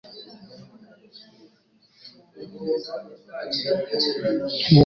Nkuko igituba kizimye mu nyanja